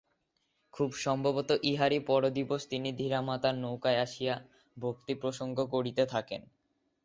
খুব সম্ভবত ইহারই পরদিবস তিনি ধীরামাতার নৌকায় আসিয়া ভক্তি-প্রসঙ্গ করিতে থাকেন।